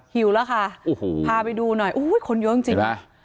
หิวแล้วค่ะโอ้โหพาไปดูหน่อยโอ้โหคนเยอะจริงจริงเห็นป่ะ